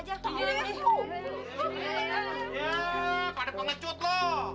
iya pada pengecut lo